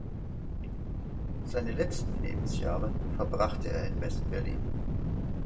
Seine letzten Lebensjahre verbrachte er in West-Berlin.